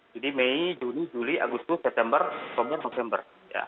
jadi mei juni juli agustus september pember mokember